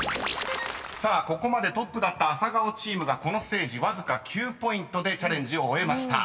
［さあここまでトップだった朝顔チームがこのステージわずか９ポイントでチャレンジを終えました］